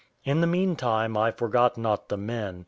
In the meantime I forgot not the men.